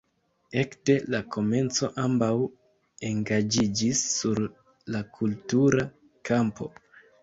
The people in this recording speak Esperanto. Ekde la komenco ambaŭ engaĝiĝis sur la kultura kampo.